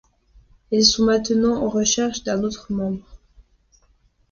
Elles sont maintenant en recherche d'un autre membre.